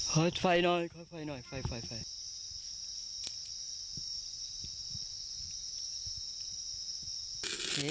คอยไฟหน่อยคอยไฟหน่อยไฟไฟไฟ